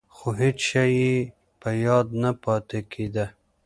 خو هېڅ شی یې په یاد نه پاتې کېده.